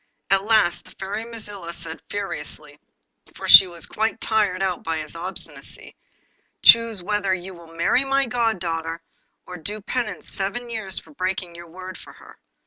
At last the Fairy Mazilla said furiously (for she was quite tired out by his obstinacy), 'Choose whether you will marry my goddaughter, or do penance seven years for breaking your word to her.